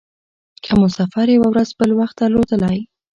که مو سفر یوه ورځ بل وخت درلودلای.